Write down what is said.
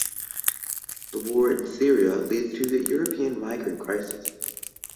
The war in Syria leads to the European migrant crisis.